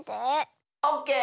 オッケー！